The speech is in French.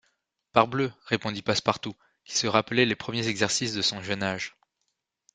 Parbleu! répondit Passepartout, qui se rappelait les premiers exercices de son jeune âge.